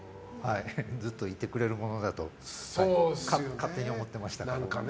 ずっといてくれるものだと勝手に思っていましたから。